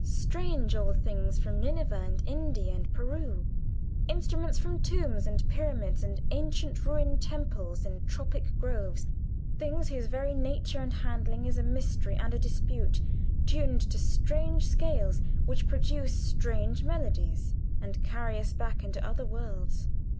Strange old things from Nineveh, and India, and Peru, instruments from tombs and pyramids, and ancient ruined temples in tropic groves things whose very nature and handling is a mystery and a dispute tuned to strange scales which produce strange melodies, and carry us back into other worlds.